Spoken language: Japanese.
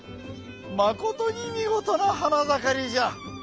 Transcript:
まことにみごとなはなざかりじゃ。